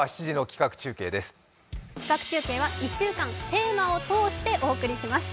企画中継は、１週間テーマを通してお送りします。